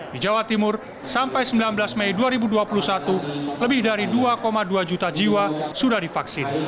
di jawa timur sampai sembilan belas mei dua ribu dua puluh satu lebih dari dua dua juta jiwa sudah divaksin